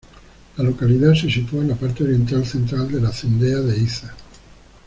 La localidad se sitúa en la parte oriental central de la Cendea de Iza.